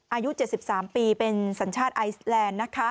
อายุ๗๓ปีเป็นสัญชาติไอซ์แลนด์